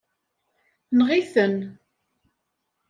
Neɣ-itent.